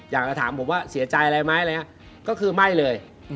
อยากจะถามผมว่าเสียใจอะไรไหมก็คือไม่เลย